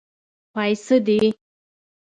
پايڅۀ دې.